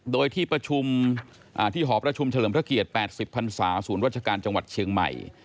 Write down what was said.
โดยที่ประชุมที่หอประชุมเฉลิมพระเกียรติ๘๐พันศาศูนย์ราชการจังหวัดเชียงใหม่